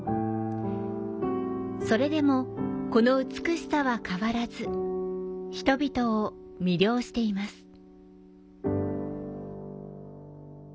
それでもこの美しさは、変わらず人々を魅了しています。